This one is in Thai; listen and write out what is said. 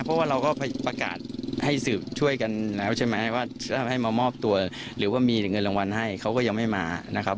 เพราะว่าเราก็ประกาศให้สืบช่วยกันแล้วใช่ไหมว่าถ้าให้มามอบตัวหรือว่ามีเงินรางวัลให้เขาก็ยังไม่มานะครับ